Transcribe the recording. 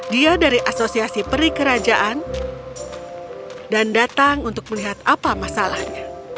dia dari asosiasi peri kerajaan dan datang untuk melihat apa masalahnya